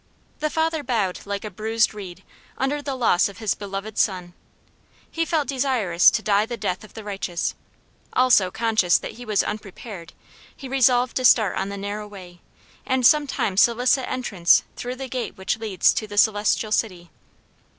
The father bowed like a "bruised reed," under the loss of his beloved son. He felt desirous to die the death of the righteous; also, conscious that he was unprepared, he resolved to start on the narrow way, and some time solicit entrance through the gate which leads to the celestial city.